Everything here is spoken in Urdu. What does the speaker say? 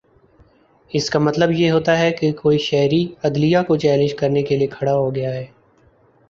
اس کا مطلب یہ ہوتا ہے کہ کوئی شہری عدلیہ کو چیلنج کرنے کے لیے کھڑا ہو گیا ہے